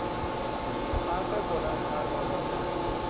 حرف بلند پروازانه